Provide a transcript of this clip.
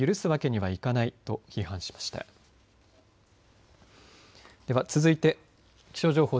では続いて気象情報。